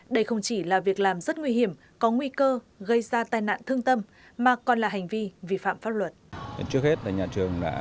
đây không chỉ là việc làm rất nguy hiểm có nguy cơ gây ra tai nạn thương tâm mà còn là hành vi vi phạm pháp luật